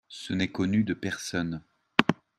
Ce n'est connu de personne.